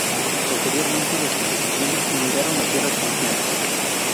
Posteriormente sus descendientes emigraron a tierras cristianas.